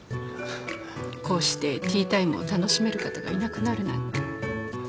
こうしてティータイムを楽しめる方がいなくなるなんて。